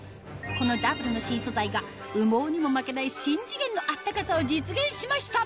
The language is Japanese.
このダブルの新素材が羽毛にも負けない新次元の暖かさを実現しました